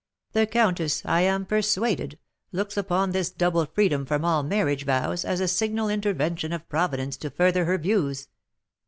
The countess, I am persuaded, looks upon this double freedom from all marriage vows as a signal intervention of Providence to further her views."